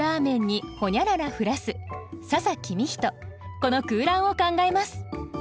この空欄を考えます